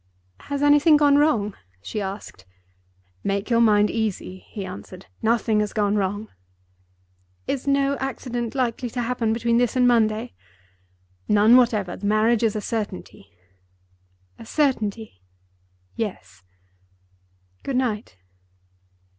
"Has anything gone wrong?" she asked. "Make your mind easy," he answered. "Nothing has gone wrong." "Is no accident likely to happen between this and Monday?" "None whatever. The marriage is a certainty." "A certainty?" "Yes." "Good night."